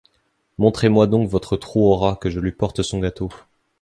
Montrez-moi donc votre Trou aux Rats, que je lui porte son gâteau.